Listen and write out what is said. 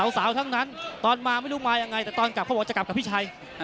สาวทั้งนั้นตอนมาไม่รู้มายังไงแต่ตอนกลับเขาบอกว่าจะกลับกับพี่ชัย